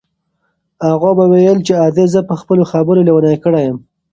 اغا به ویل چې ادې زه په خپلو خبرو لېونۍ کړې یم.